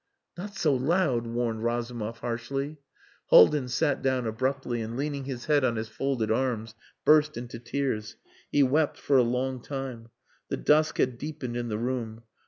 "Not so loud," warned Razumov harshly. Haldin sat down abruptly, and leaning his head on his folded arms burst into tears. He wept for a long time. The dusk had deepened in the room.